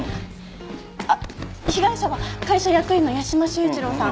あっ被害者は会社役員の屋島修一郎さん。